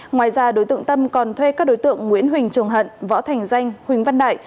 ngoài ra đối tượng tâm còn thuê các đối tượng nguyễn huỳnh trường hận võ thành danh huỳnh văn đại